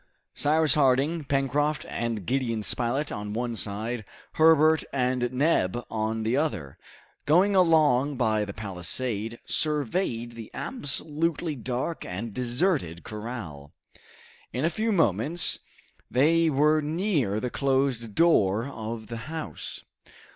Cyrus Harding, Pencroft, and Gideon Spilett on one side, Herbert and Neb on the other, going along by the palisade, surveyed the absolutely dark and deserted corral. In a few moments they were near the closed door of the house.